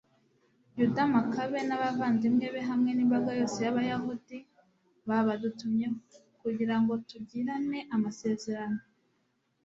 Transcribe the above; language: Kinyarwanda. yuda makabe n'abavandimwe be hamwe n'imbaga yose y'abayahudi babadutumyeho, kugira ngo tugirane amasezerano